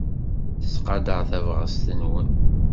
Tettqadar tabɣest-nwen.